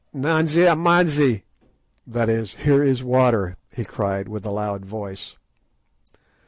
"Nanzia manzie!" that is, "Here is water!" he cried with a loud voice.